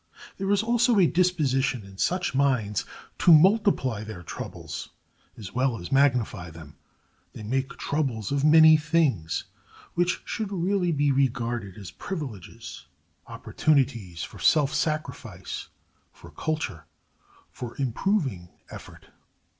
There is also a disposition in such minds to multiply their troubles as well as magnify them. They make troubles of many things which should really be regarded as privileges, opportunities for self sacrifice, for culture, for improving effort.